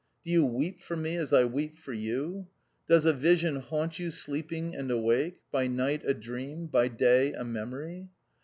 Do you weep for me as I weep for you ? Does a vision haunt you sleeping and awake — by night a dream, by day a memory